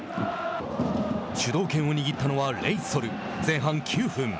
主導権を握ったのはレイソル。前半９分。